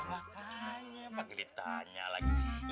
makanya pake ditanya lagi